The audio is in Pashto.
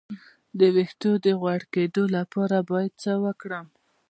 د ویښتو د غوړ کیدو لپاره باید څه وکړم؟